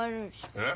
えっ？